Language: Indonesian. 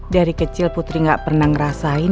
dari kecil putri gak pernah ngerasain